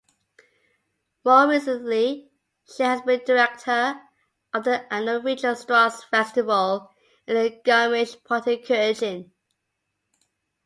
More recently, she has been director of the annual Richard Strauss Festival in Garmisch-Partenkirchen.